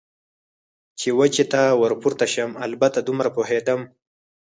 چې وچې ته ور پورته شم، البته دومره پوهېدم.